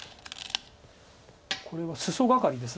これはスソガカリです。